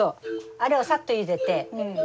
あれをサッとゆでて。